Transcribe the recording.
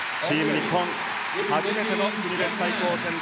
日本初めての国別対抗戦です。